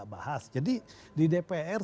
bahas jadi di dpr